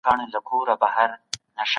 هیوادونو به د انسان د ژوند حق خوندي کړی وي.